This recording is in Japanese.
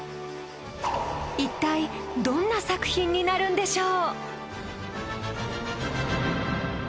一体どんな作品になるんでしょう。